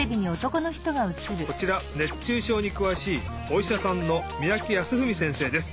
こちら熱中症にくわしいおいしゃさんの三宅康史せんせいです。